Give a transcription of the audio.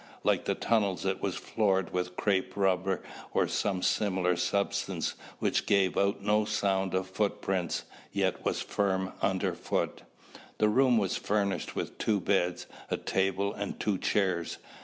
Like the tunnels it was floored with crepe rubber or some similar substance which gave out no sound of footsteps, yet was firm underfoot. The room was furnished with two beds, a table and two chairs.